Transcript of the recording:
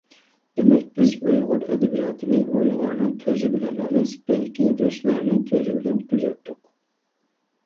دېمەك، بىز ئۇيغۇر ئەدەبىياتىنى ئۇيغۇرنىڭ كۆزى بىلەن ئەمەس، بەلكى رۇسلارنىڭ كۆزى بىلەن كۆزەتتۇق.